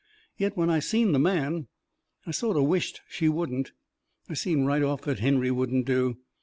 Yet, when I seen the man, I sort o' wished she wouldn't. I seen right off that Henry wouldn't do.